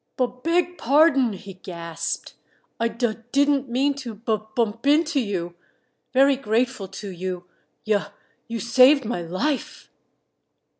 "Bub beg pardon," he gasped. "I dud didn't mean to bub bump into you. Very grateful to you yuh you saved my life!"